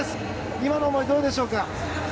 今の思い、どうでしょうか？